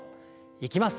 いきます。